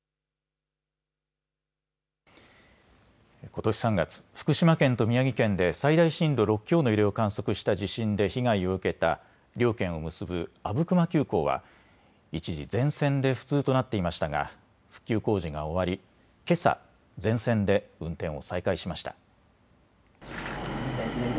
ことし３月、福島県と宮城県で最大震度６強の揺れを観測した地震で被害を受けた両県を結ぶ阿武隈急行は一時、全線で不通となっていましたが復旧工事が終わりけさ全線で運転を再開しました。